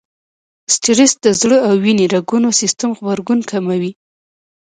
سټرس ته د زړه او وينې رګونو سيستم غبرګون کموي.